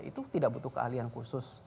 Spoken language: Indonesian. itu tidak butuh keahlian khusus